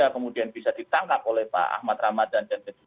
kemudian bisa ditangkap oleh pak ahmad ramadan dan densus delapan puluh delapan